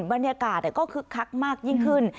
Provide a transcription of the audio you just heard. บรรยากาศก็คึกคักมากยิ่งขึ้น